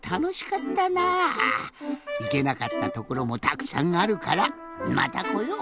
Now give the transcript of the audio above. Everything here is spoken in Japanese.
いけなかったところもたくさんあるからまたこよう。